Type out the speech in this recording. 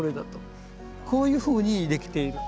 こういうふうに出来ている。